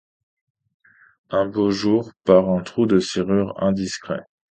Un beau jour, par un trou de serrure indiscret